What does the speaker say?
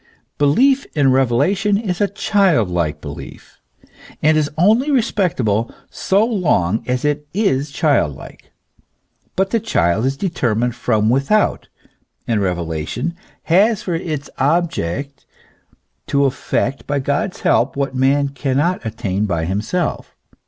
Belief in revelation is a child like belief, and is only respect able so long as it is child like. But the child is determined fiom without. And revelation has for its object to effect by God's help, what man cannot attain by himself.